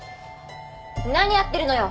何やってるのよ。